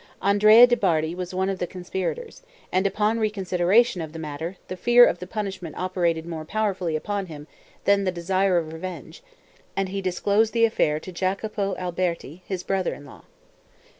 Andrea de' Bardi was one of the conspirators, and upon reconsideration of the matter, the fear of the punishment operated more powerfully upon him than the desire of revenge, and he disclosed the affair to Jacopo Alberti, his brother in law.